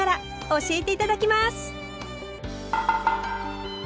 教えて頂きます。